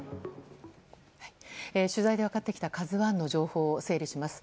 取材で分かってきた「ＫＡＺＵ１」の情報を整理します。